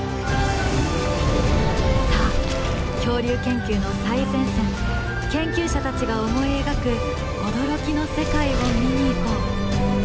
さあ恐竜研究の最前線研究者たちが思い描く驚きの世界を見に行こう。